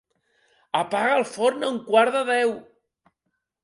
Apaga el forn a un quart de deu.